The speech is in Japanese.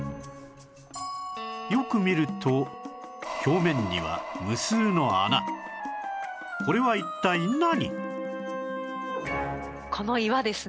よく見ると表面にはこれは一体何？